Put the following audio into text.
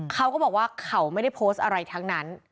เขาก็บอกว่าเขาไม่ได้โพสต์อะไรทั้งนั้น